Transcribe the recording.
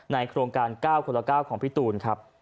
โครงการ๙คนละ๙ของพี่ตูนครับ